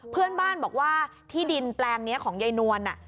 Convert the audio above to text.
เพื่อนบ้านบอกว่าที่ดินแปลงนี้ของยายนวล